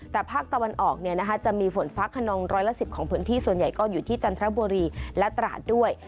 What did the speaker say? แต่ภาคตะวันออกจะมีฝนฟ้าขนองร้อยละ๑๐ของพื้นที่ส่วนใหญ่ก็อยู่ที่จันทบุรีและตราดด้วย